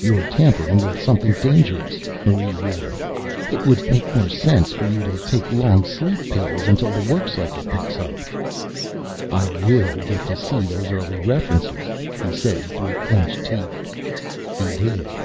"You're tampering with something dangerous," Marie warned. "It would make more sense for you to take long sleep pills until the work cycle picks up." "I will get to see those early references," he said through clenched teeth. He did.